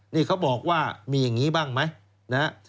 นี่เขาบอกว่ามีอย่างนี้บ้างไหมนะฮะ